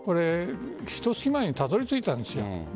ひと月前にたどり着いたんです。